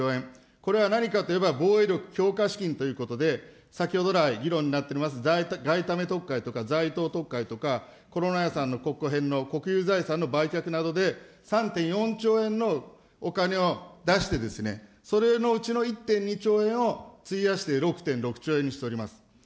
これは何かといえば、防衛力強化資金ということで、先ほど来、議論になっております外為特会とか、ざいとう特会とか、コロナ予算の国家返納、の売却などで、３．４兆円のお金を出してですね、それのうちの１．２兆円を費やして６．６兆円にしております。